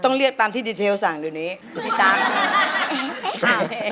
ต้องเรียกตามที่ดีเทลสั่งเดี๋ยวนี้พี่ตั๊ก